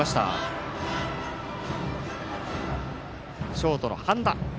ショートの半田。